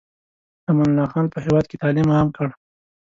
امان الله خان په هېواد کې تعلیم عام کړ.